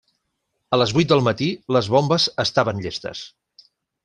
A les vuit del matí les bombes estaven llestes.